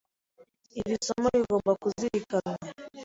Iri somo rigomba kuzirikanwa.